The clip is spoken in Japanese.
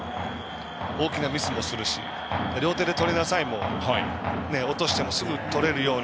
大きなミスをするし両手でとりなさいというのも落としてもすぐにとれるように。